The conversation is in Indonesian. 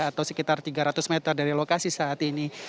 atau sekitar tiga ratus meter dari lokasi saat ini